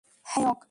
Hello, Naik!